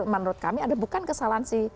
menurut kami ada bukan kesalahan si